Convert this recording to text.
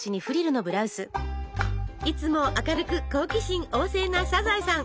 いつも明るく好奇心旺盛なサザエさん！